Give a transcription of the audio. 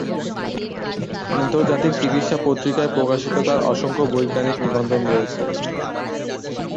আন্তর্জাতিক চিকিৎসা পত্রিকায় প্রকাশিত তার অসংখ্য বৈজ্ঞানিক নিবন্ধ রয়েছে।